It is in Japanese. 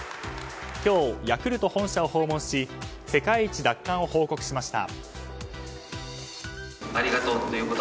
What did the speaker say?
今日、ヤクルト本社を訪問し世界一奪還を報告しました。